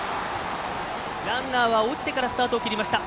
ランナーは落ちてからスタートを切りました。